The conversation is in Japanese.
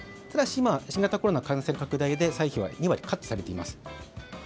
ただし新型コロナ感染拡大で歳費は２割カットされています。